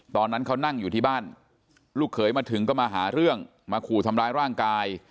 ตอนนั้นเขานั่งอยู่ที่บ้านลูกเขยมาถึงก็มาหาเรื่องมาขู่ทำร้ายร่างกาย